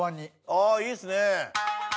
ああいいですね。